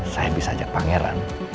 saya bisa ajak pangeran